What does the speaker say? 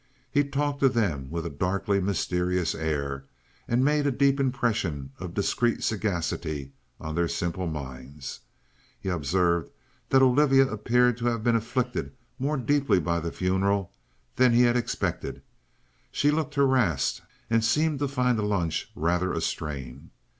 He talked to them with a darkly mysterious air, and made a deep impression of discreet sagacity on their simple minds. He observed that Olivia appeared to have been afflicted more deeply by the funeral than he had expected. She looked harassed and seemed to find the lunch rather a strain.